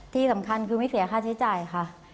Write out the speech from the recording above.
ที่สำคัญคือไม่เสียค่าใช้จ่ายค่ะ